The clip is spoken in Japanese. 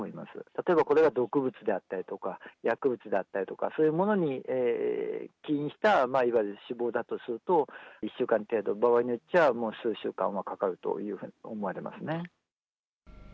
例えばこれが毒物であったりとか、薬物であったりとか、そういうものに起因したいわゆる死亡だとすると、１週間程度、場合によっちゃ、もう数週間はかかるというふうに思われますね。